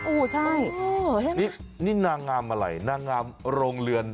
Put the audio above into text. ใช่นี่นางงามอะไรนางงามโรงเรือน